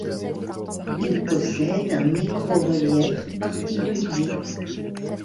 Il possède un micro-relief particulier.